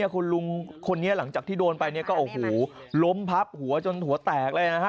คุณลุงคนนี้หลังจากที่โดนไปเนี่ยก็โอ้โหล้มพับหัวจนหัวแตกเลยนะฮะ